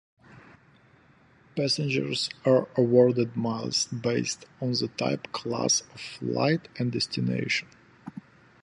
Passengers are awarded miles based on the type, class of flight and destination.